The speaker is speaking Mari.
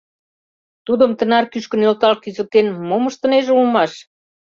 Тудым тынар кӱшкӧ нӧлтал кӱзыктен, мом ыштынеже улмаш?